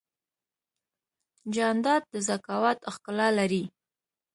جانداد د ذکاوت ښکلا لري.